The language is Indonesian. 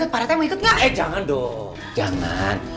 pak rete jangan